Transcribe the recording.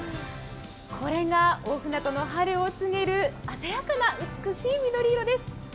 これが大船渡の春を告げる鮮やかな美しい緑色です。